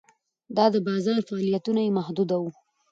دا د بازار فعالیتونه یې محدوداوه.